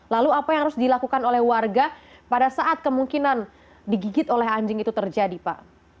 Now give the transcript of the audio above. lalu apa yang harus dilakukan oleh warga pada saat kemungkinan digigit oleh anjing itu terjadi pak